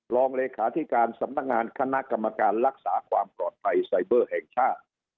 รองเลขาธิการสำนักงานคณะกรรมการรักษาความปลอดภัยไซเบอร์แห่งชาติ